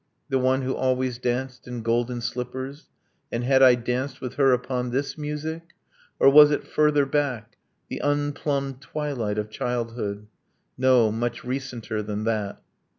The one who always danced in golden slippers And had I danced with her, upon this music? Or was it further back the unplumbed twilight Of childhood? No much recenter than that.